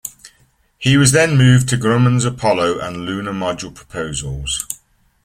He was then moved to Grumman's Apollo and Lunar Module proposals.